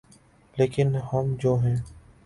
‘ لیکن ہم جو ہیں۔